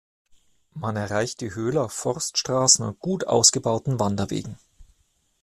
Man erreicht die Höhle auf Forststraßen und gut ausgebauten Wanderwegen.